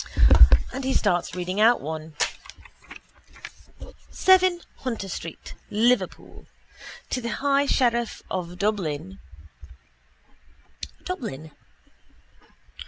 And he starts reading out one. 7 Hunter Street, Liverpool. _To the High Sheriff of Dublin, Dublin.